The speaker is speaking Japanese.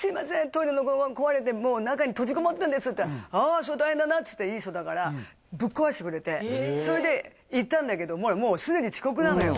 トイレの戸が壊れて中に閉じこもってるって言ったらああそれは大変だなっつっていい人だからぶっ壊してくれてそれで行ったんだけどもうすでに遅刻なのよ